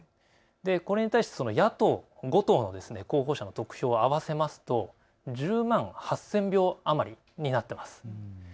これに対し野党５党の候補者の得票は合わせますと１０万８０００票余りになっています。